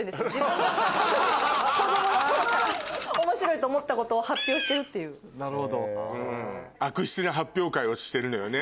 子供の頃から面白いと思ったことを発表してるっていう。をしてるのよね